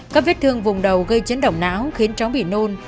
các vết thương vùng đầu gây chấn động não khiến cháu bị nôn